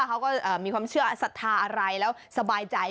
เขาก็มีความเชื่อศรัทธาอะไรแล้วสบายใจ